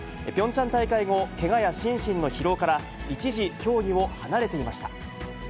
ピョンチャン大会後、けがや心身の疲労から一時、競技を離れていました。